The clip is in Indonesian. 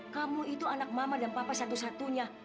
kamu itu anak mama dan papa satu satunya